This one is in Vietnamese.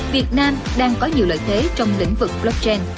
việt nam đang có nhiều lợi thế trong lĩnh vực blockchain